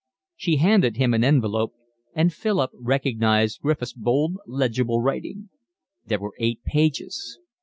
She handed him an envelope and Philip recognised Griffiths' bold, legible writing. There were eight pages.